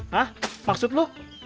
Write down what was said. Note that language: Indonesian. hah maksud lu